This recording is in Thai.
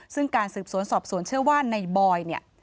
ซึ่งการสืบสวนสอบสวนเชื่อว่านายบอย